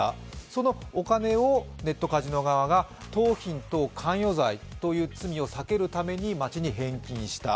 そのお金をネットカジノ側が盗品等関与罪という罪を避けるために町に返金した。